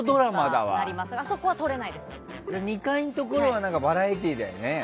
じゃあ２階のところはバラエティーだ。